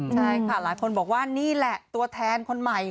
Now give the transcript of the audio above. ใช่ค่ะหลายคนบอกว่านี่แหละตัวแทนคนใหม่